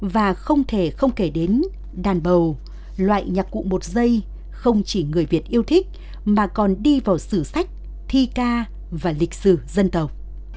và không thể không kể đến đàn bầu loại nhạc cụ một giây không chỉ người việt yêu thích mà còn đi vào sử sách thi ca và lịch sử dân tộc